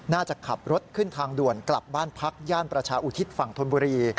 น่าจะขับรถขึ้นทางด่วนกลับบ้านพักย่านประชาอุทิศฝั่งธนบุรี